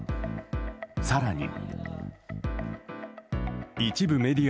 更に。